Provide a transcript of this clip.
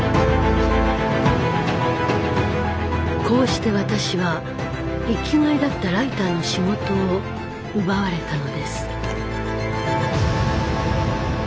こうして私は生きがいだったライターの仕事を奪われたのです。